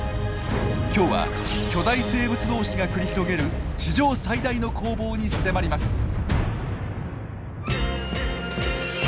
今日は巨大生物同士が繰り広げる地上最大の攻防に迫ります！